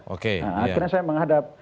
akhirnya saya menghadap